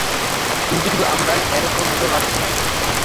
কিন্তু শুধু আমরাই এর উপর নজর রাখছি না।